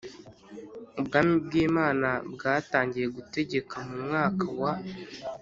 Ubwami bw’Imana bwatangiye gutegeka mu mwaka wa